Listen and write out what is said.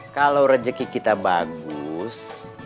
kalau rezeki kita bagus